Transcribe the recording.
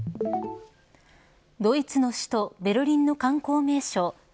ドイツの首都ベルリンの観光名所